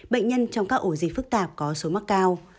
bệnh nhân trong các ổ dịch phức tạp có số mắc cao